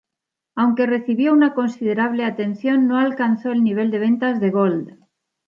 Aunque recibió una considerable atención, no alcanzó el nivel de ventas de "Gold".